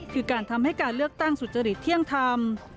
คือการทำให้การเลือกตั้งสุจริตเที่ยงธรรม